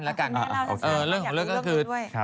เฮ้เรื่องของเรื่องของนังก็คือ